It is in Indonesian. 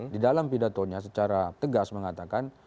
di dalam pidatonya secara tegas mengatakan